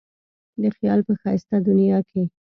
د خیال په ښایسته دنیا کې.